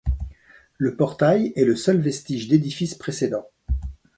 Le portail est le seul vestige d'édifice précédent.